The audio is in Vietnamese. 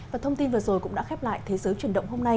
và thông tin vừa rồi cũng đã khép lại thế giới chuyển động hôm nay